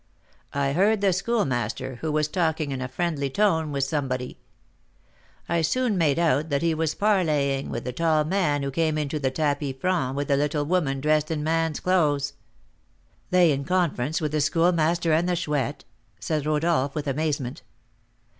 I heard the Schoolmaster, who was talking in a friendly tone with somebody. I soon made out that he was parleying with the tall man who came into the tapis franc with the little woman dressed in man's clothes." "They in conference with the Schoolmaster and the Chouette?" said Rodolph, with amazement.